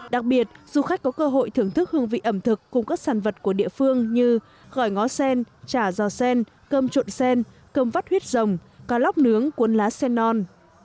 đặc biệt du khách có cơ hội thưởng thức hương vị ẩm thực cùng các sản vật của địa phương như gỏi ngó sen chả giò sen cơm trộn sen cơm vắt huyết rồng cá lóc nướng cuốn lá sen non